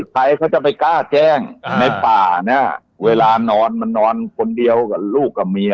ใครเขาจะไปกล้าแจ้งในป่าเนี่ยเวลานอนมันนอนคนเดียวกับลูกกับเมีย